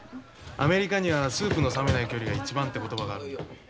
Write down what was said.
アメリカには「スープの冷めない距離が一番」って言葉があるんだ。